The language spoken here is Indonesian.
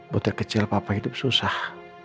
butir kecil papa hidup susah